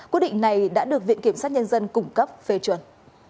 quyết định này đã được viện kiểm sát nhân dân cung cấp phê chuẩn